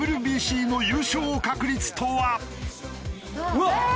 うわっ！